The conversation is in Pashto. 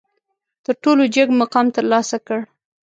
تر ټولو جګ مقام ترلاسه کړ.